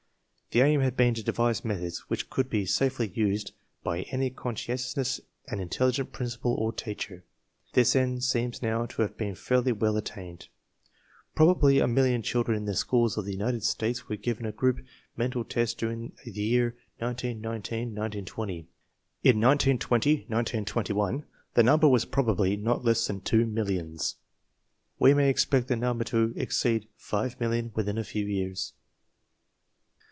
The aim had been to devise methods which could be safely used by any conscientious and intelligent principal or teacher. This end seems now to have been fairly well attained. fProbably a million children in the schools of the United j States were given a group mental test during the year :J) ; 1919^ 1920. In 1920 1921 the number was probably not less than two millions. We may expect the number to exceed five millions within a few years.